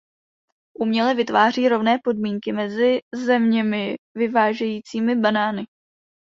Uměle vytváří rovné podmínky mezi zeměmi vyvážejícími banány.